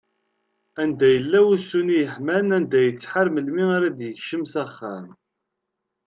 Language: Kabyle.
Anda yella wusu-nni yeḥman, anda yettḥar melmi ara d-yekcem s axxam?